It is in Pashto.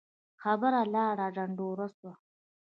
خبره لاړه ډنډوره سوه